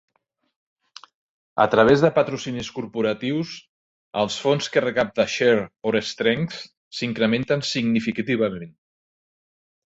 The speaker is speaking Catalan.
A través de patrocinis corporatius, els fons que recapta Share Our Strength s'incrementen significativament.